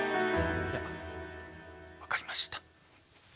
いや分かりました。